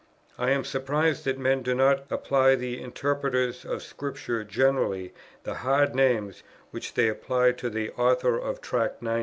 I am surprised that men do not apply to the interpreters of Scripture generally the hard names which they apply to the author of Tract 90.